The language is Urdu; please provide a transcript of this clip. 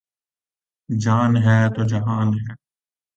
جان ہے تو جہان ہے